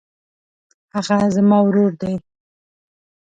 هغه زما ورور دی.